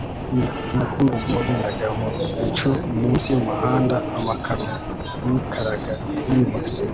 umukungugu wagendaga mu bicu munsi yumuhanda. amakamyo yikaraga yimutse